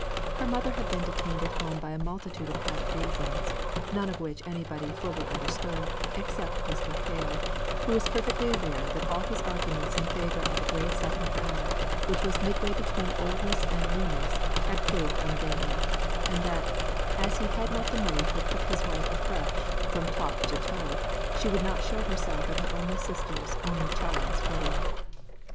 Her mother had been detained at home by a multitude of half reasons, none of which anybody fully understood, except Mr. Hale, who was perfectly aware that all his arguments in favour of a grey satin gown, which was midway between oldness and newness, had proved unavailing; and that, as he had not the money to equip his wife afresh, from top to toe, she would not show herself at her only sister's only child's wedding.